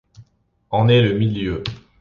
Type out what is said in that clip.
En est le milieu.